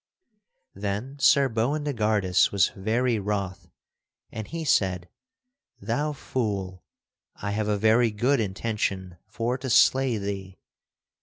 Then Sir Boindegardus was very wroth and he said: "Thou fool; I have a very good intention for to slay thee."